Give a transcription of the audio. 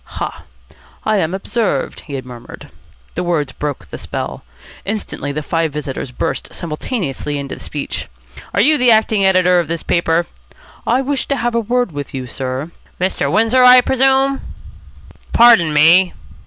"Ha! I am observed!" he murmured. The words broke the spell. Instantly, the five visitors burst simultaneously into speech. "Are you the acting editor of this paper?" "I wish to have a word with you, sir." "Mr. Windsor, I presume?" "Pardon me!"